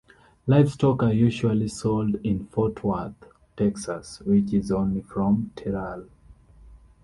Livestock are usually sold in Fort Worth, Texas, which is only from Terral.